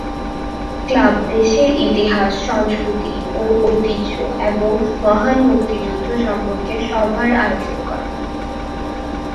Club দেশের ইতিহাস, সংস্কৃতি ও ঐতিহ্য এবং মহান মুক্তিযুদ্ধ সম্পর্কে সভার আয়োজন করে।